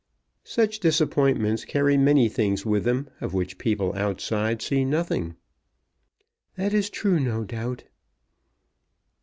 "Such disappointments carry many things with them of which people outside see nothing." "That is true, no doubt."